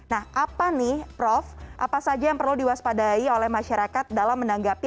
nah apa nih prof apa saja yang perlu diwaspadai oleh masyarakat dalam menanggapi